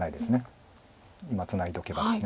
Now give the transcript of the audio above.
今ツナいどけばです。